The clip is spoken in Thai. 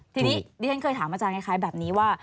ทีนี้ดิฉันเคยถามอาจารย์คล้ายแบบนี้ว่า